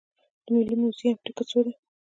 د ملي موزیم ټکټ څو دی؟